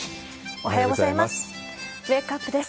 おはようございます。